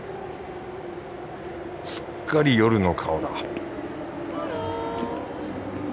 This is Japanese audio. すっかり夜の顔だ